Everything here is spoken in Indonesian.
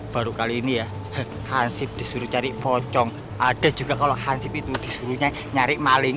baru kali ini ya hansip disuruh cari pocong ada juga kalau hansip itu disuruhnya nyari maling